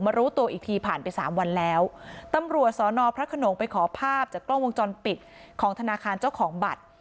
รู้ตัวอีกทีผ่านไปสามวันแล้วตำรวจสอนอพระขนงไปขอภาพจากกล้องวงจรปิดของธนาคารเจ้าของบัตร